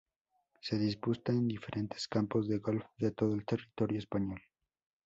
Se disputa en diferentes campos de golf de todo el territorio español.